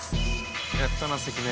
やったな関根。